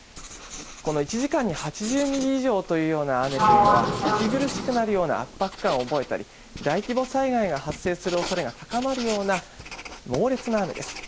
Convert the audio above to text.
この１時間に８０ミリ以上というような雨というのは息苦しくなるような圧迫感を覚えたり大規模災害が発生するおそれが高まるような猛烈な雨です。